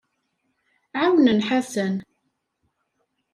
Ɛawnen Ḥasan.